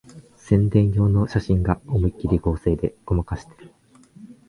宣伝用の写真が思いっきり合成でごまかしてる